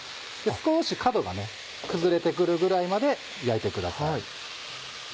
少し角が崩れて来るぐらいまで焼いてください。